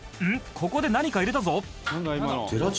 ここで何か入れたぞ」